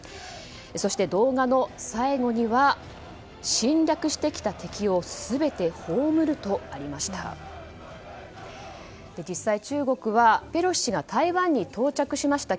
そして、動画の最後には「侵略してきた敵を全て葬る」とありました。